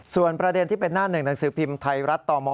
ส่วนประเด็นที่เป็นหน้าหนึ่งหนังสือพิมพ์ไทยรัฐต่อมอ